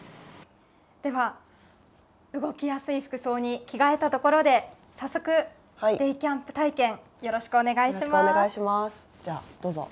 では、動きやすい服装に着替えたところで早速、デイキャンプ体験よろしくお願いします。